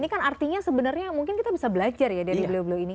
ini kan artinya sebenarnya mungkin kita bisa belajar ya dari beliau beliau ini